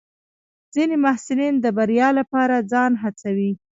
ځینې محصلین د بریا لپاره ځان هڅوي.